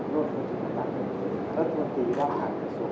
สวัสดีครับสวัสดีครับสวัสดีครับสวัสดีครับ